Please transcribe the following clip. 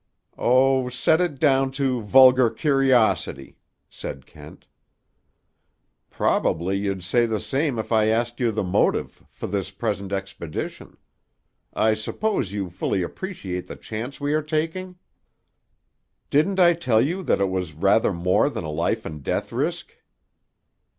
"Oh, set it down to vulgar curiosity," said Kent. "Probably you'd say the same if I asked you the motive for this present expedition. I suppose you fully appreciate the chance we are taking?" "Didn't I tell you that it was rather more than a life and death risk?"